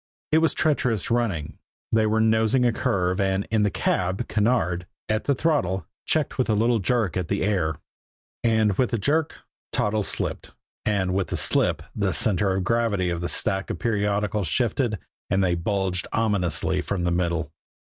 It was treacherous running, they were nosing a curve, and in the cab, Kinneard, at the throttle, checked with a little jerk at the "air." And with the jerk, Toddles slipped; and with the slip, the center of gravity of the stack of periodicals shifted, and they bulged ominously from the middle.